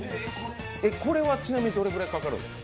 これはちなみにどれくらいかかるんですか？